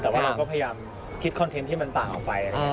แต่ว่าเราก็พยายามคิดคอนเทนต์ที่มันต่างออกไป